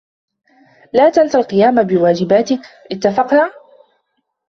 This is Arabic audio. لا تنس القيام بواجاتك، اتّفقنا؟